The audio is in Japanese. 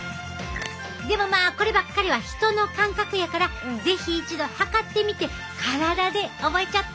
でもまあこればっかりは人の感覚やから是非一度測ってみて体で覚えちゃって。